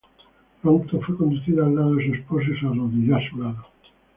Pronto fue conducida al lado de su esposo y se arrodilló a su lado.